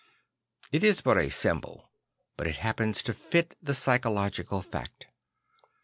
It is but a symbol; but it happens to fit the psychological fact.